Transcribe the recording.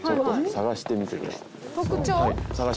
探してみてください。